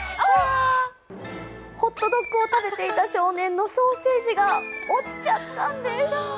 ホットドッグを食べていた少年のソーセージが落ちちゃったんです。